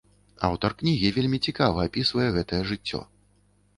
Аўтар кнігі вельмі цікава апісвае гэтае жыццё.